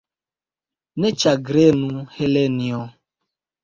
Ne ĉagrenu, Helenjo!